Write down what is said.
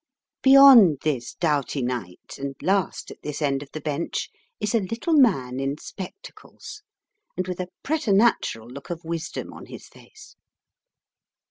Beyond this doughty knight, and last at this end of the bench, is a little man in spectacles, and with a preternatural look of wisdom on his face.